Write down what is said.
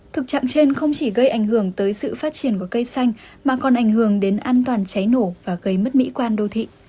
thực trạng trên không chỉ gây ảnh hưởng tới sự phát triển của cây xanh mà còn ảnh hưởng đến an toàn cháy nổ và gây mất mỹ quan đô thị